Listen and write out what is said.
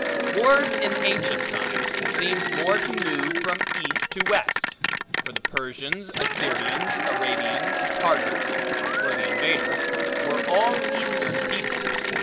Wars, in ancient time, seemed more to move from east to west; for the Persians, Assyrians, Arabians, Tartars (which were the invaders) were all eastern people.